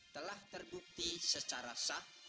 telah terbukti secara sah